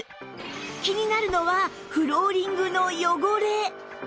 気になるのはフローリングの汚れ